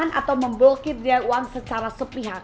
atau memblokir biaya uang secara sepihak